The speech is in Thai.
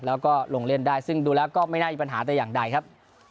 แล้วก็ลงเล่นได้ซึ่งดูแล้วก็ไม่น่ามีปัญหาแต่อย่างใดครับ